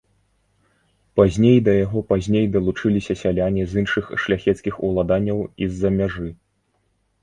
Пазней да якога пазней далучыліся сяляне з іншых шляхецкіх уладанняў і з-за мяжы.